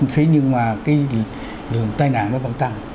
thế nhưng mà cái đường tai nạn nó vẫn tăng